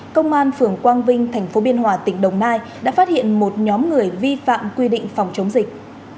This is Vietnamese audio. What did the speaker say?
công an phường quang vinh tp biên hòa tỉnh đồng nai đã phát hiện một nhóm người vi phạm quy định phòng chống dịch